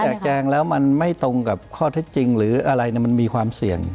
แจงแล้วมันไม่ตรงกับข้อเท็จจริงหรืออะไรมันมีความเสี่ยง